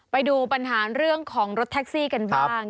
ไปดูปัญหาเรื่องของรถแท็กซี่กันบ้าง